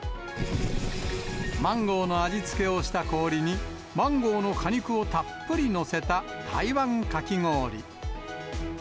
マンゴーの味付けをした氷に、マンゴーの果肉をたっぷり載せた台湾かき氷。